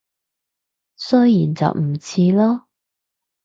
雖然就唔似囉